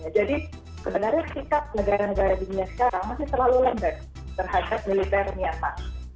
jadi sebenarnya sikap negara negara dunia sekarang masih selalu lembek terhadap militer myanmar